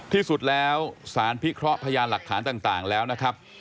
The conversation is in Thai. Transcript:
ที่สุดแล้วสารพิเคราะห์พยานหลักฐานต่างแล้วนะครับ